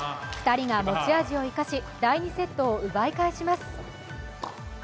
２人が持ち味を生かし、第２セットを奪い返します。